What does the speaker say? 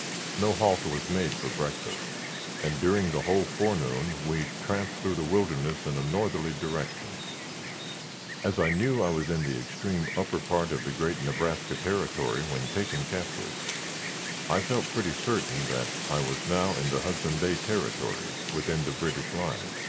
No halt was made for breakfast, and during the whole forenoon we tramped through the wilderness in a northerly direction. As I knew I was in the extreme upper part of the great Nebraska Territory when taken captive, I felt pretty certain that I was now in the Hudson Bay Territory, within the British line.